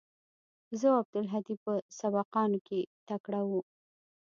زه او عبدالهادي په سبقانو کښې تکړه وو.